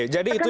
saya tidak tahu